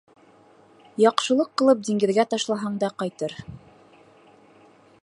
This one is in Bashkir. Яҡшылыҡ ҡылып диңгеҙгә ташлаһаң да ҡайтыр.